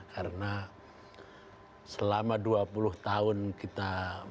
karena selama dua puluh tahun kita mengalami